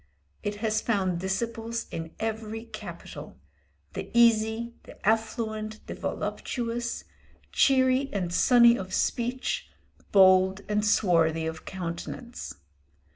It has found disciples in every capital the easy, the affluent, the voluptuous, cheery and sunny of speech, bold and swarthy of countenance.